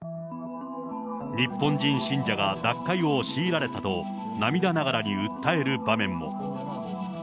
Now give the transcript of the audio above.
日本人信者が脱会を強いられたと、涙ながらに訴える場面も。